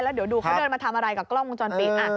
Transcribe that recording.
แล้วเดี๋ยวดูเขาเดินมาทำอะไรกับกล้องวงจรปิด